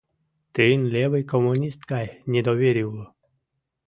Тыйын левый коммунист гай недоверий уло.